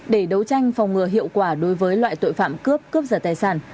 để đấu tranh phòng ngừa hiệu quả đối với loại tội phạm cướp cướp giật tài sản